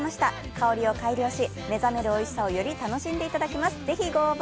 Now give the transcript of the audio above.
香りを改良し、目覚めるおいしさをより楽しんでいただけます。